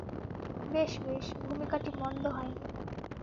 বেশ বেশ, ভূমিকাটি মন্দ হয় নি।